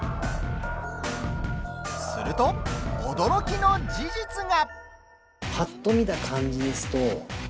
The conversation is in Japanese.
すると、驚きの事実が。